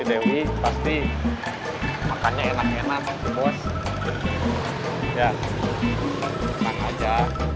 enak enak bos ya